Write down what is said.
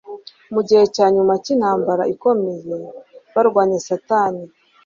Mu gihe cya nyuma cy'intambara ikomeye barwanya Satani,